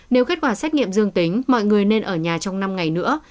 nếu kết quả xét nghiệm dương tính mọi người nên ở nhà trong năm ngày nữa